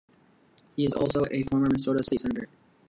He is also a former Minnesota state senator.